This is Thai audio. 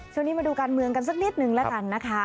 ช่วงนี้มาดูการเมืองกันสักนิดนึงแล้วกันนะคะ